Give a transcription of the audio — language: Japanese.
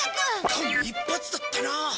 間一髪だったな。